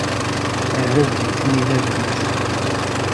Err adlis-nni i bab-nnes.